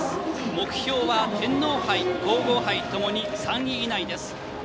目標は天皇杯、皇后杯ともに３位以内です。